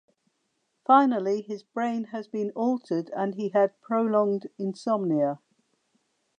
Finally his brain has been altered and he had prolonged insomnia.